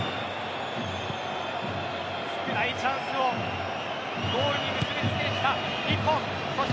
少ないチャンスをゴールに結び付けてきた日本。